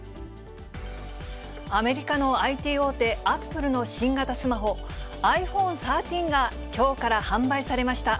アメリカのＩＴ大手、アップルの新型スマホ、ｉＰｈｏｎｅ１３がきょうから販売されました。